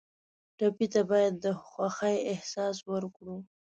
ټپي ته باید د خوښۍ احساس ورکړو.